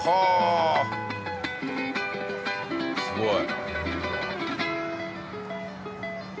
すごい！